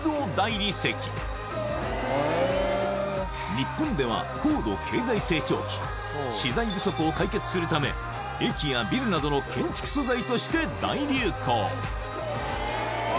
日本では資材不足を解決するため駅やビルなどの建築素材として大流行あ